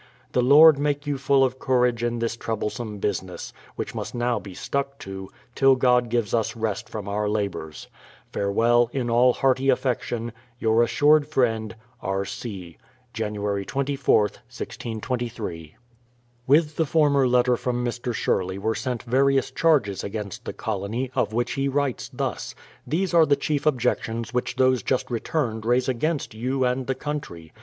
The Lord make you full of courage in this troublesome business, which must now be stuck to, till God give us rest from our labours. Farewell, in all hearty affection. Your assured friend, R. C Jan. 24th, 1623. With the former letter from Mr. Sherley were sent various charges against the colony, of which he writes thus: "These are the chief objections which those just returned raise against you and the country.